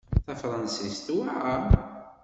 Tafṛansist tewɛeṛ.